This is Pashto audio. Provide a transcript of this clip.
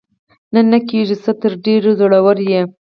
نه، نه کېږو، ځکه ته ډېره زړوره یې.